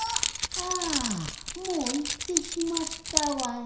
あもういってしまったわい。